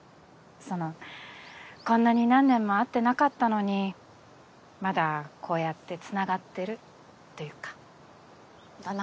そのこんなに何年も会ってなかったのにまだこうやってつながってるというか。だな。